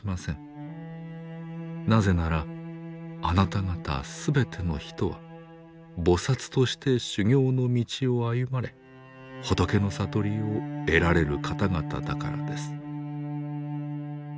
なぜならあなた方すべての人は菩薩として修行の道を歩まれ仏の悟りを得られる方々だからです。